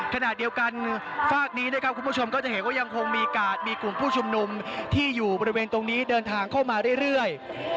ขณะเดียวกันฝากนี้นะครับคุณผู้ชมก็จะเห็นว่ายังคงมีการมีกลุ่มผู้ชุมนุมที่อยู่บริเวณตรงนี้เดินทางเข้ามาเรื่อย